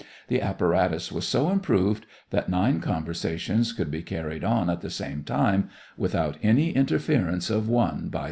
The apparatus was so improved that nine conversations could be carried on at the same time without any interference of one by the others.